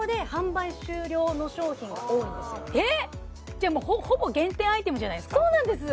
じゃあもうほぼ限定アイテムじゃないですかそうなんです！